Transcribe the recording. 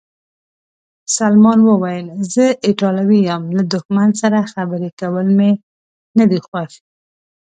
سلمان وویل: زه ایټالوی یم، له دښمن سره خبرې کول مې نه دي خوښ.